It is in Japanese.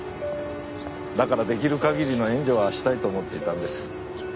だから出来る限りの援助はしたいと思っていたんです。